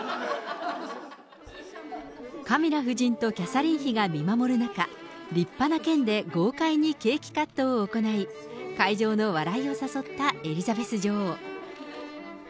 カミラ夫人とキャサリン妃が見守る中、立派な剣で豪快なケーキカットを行い、会場の笑いを誘ったエリザベス女王。